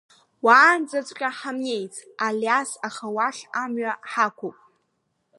Уаанӡаҵәҟьа ҳамнеиц, Алиас, аха уахь амҩа ҳақәуп.